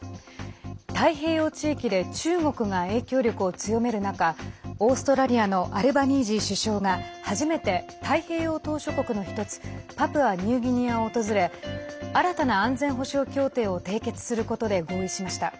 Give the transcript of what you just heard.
太平洋地域で中国が影響力を強める中オーストラリアのアルバニージー首相が初めて、太平洋島しょ国の１つパプアニューギニアを訪れ新たな安全保障協定を締結することで合意しました。